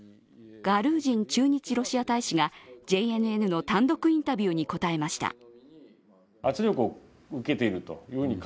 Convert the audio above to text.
ガルージン駐日ロシア大使がＪＮＮの単独インタビューに答えました。